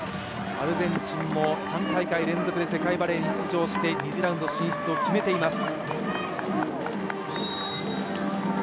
アルゼンチンも３大会連続で世界バレーに出場して２次ラウンド進出を決めています。